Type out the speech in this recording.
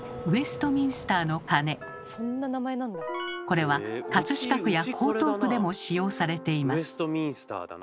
これは飾区や江東区でも使用されています。